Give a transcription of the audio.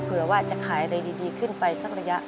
เผื่อว่าจะขายอะไรดีขึ้นไปสักระยะ